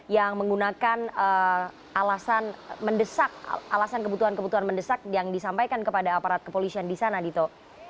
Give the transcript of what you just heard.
yang menggunakan alasan mendesak alasan kebutuhan kebutuhan mendesak yang disampaikan kepada aparat kepolisian di sana dito